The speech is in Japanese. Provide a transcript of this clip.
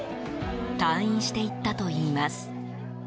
退院していったといいます。